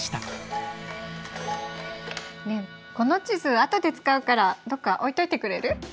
ねえこの地図後で使うからどっか置いといてくれる？